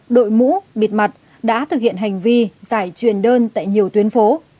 đội mũ bịt mặt đã thực hiện hành vi giải truyền đơn tại nhiều tuyến phố